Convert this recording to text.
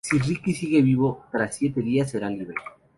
Si Ricky sigue vivo tras siete días será libre.